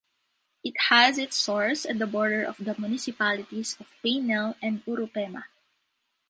It has its source at the border of the municipalities of Painel and Urupema.